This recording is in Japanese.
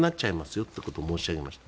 よってことを申し上げました。